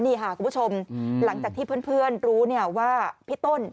นี่ค่ะคุณผู้ชมหลังจากที่เพื่อนรู้ว่าพี่ต้น